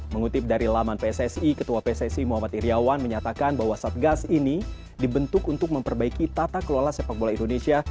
mengutip dari laman pssi ketua pssi muhammad iryawan menyatakan bahwa satgas ini dibentuk untuk memperbaiki tata kelola sepak bola indonesia